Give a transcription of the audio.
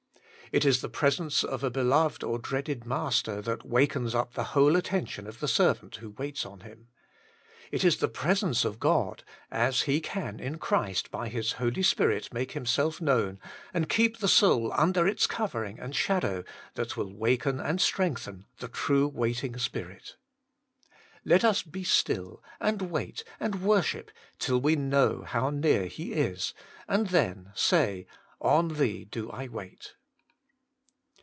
It is the presence of a beloved or a dreaded master that wakens up the whole atten tion of the servant who waits on him. It is the presence of Gody as He can in Christ by His Holy Spirit make Himself known^ and keep the soul under its covering and shadow, that will waken and strengthen the true waiting spirit. Let us be still and wait and worship till we know how near He is, and then say, * On Thee do I wait.'